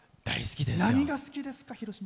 何が好きですか？